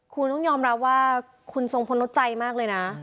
คุณต้องยอมรับว่าคุณทรงพลลดใจมากเลยนะ